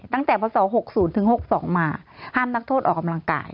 ตั้งแต่พระสอบหกศูนย์ถึงหกสองมาห้ามนักโทษออกกำลังกาย